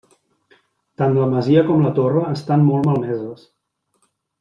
Tant la masia com la torre estan molt malmeses.